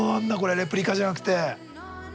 レプリカじゃなくて。